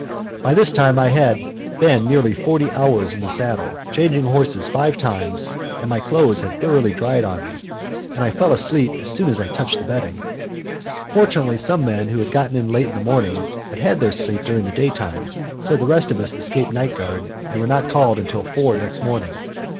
By this time I had been nearly forty hours in the saddle, changing horses five times, and my clothes had thoroughly dried on me, and I fell asleep as soon as I touched the bedding. Fortunately some men who had gotten in late in the morning had had their sleep during the daytime, so that the rest of us escaped night guard and were not called until four next morning.